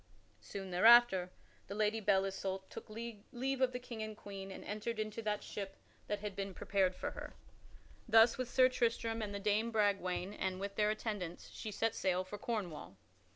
Soon thereafter the Lady Belle Isoult took leave of the King and the Queen and entered into that ship that had been prepared for her. Thus, with Sir Tristram and with Dame Bragwaine and with their attendants, she set sail for Cornwall.